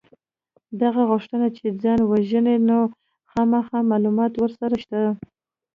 ده غوښتل چې ځان ووژني نو خامخا معلومات ورسره شته